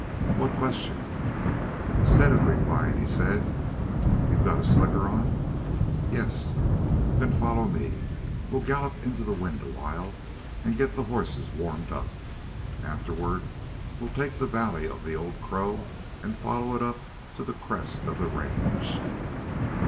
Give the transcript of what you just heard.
"What question?" Instead of replying he said: "You've got a slicker on?" "Yes." "Then follow me. We'll gallop into the wind a while and get the horses warmed up. Afterward we'll take the valley of the Old Crow and follow it up to the crest of the range."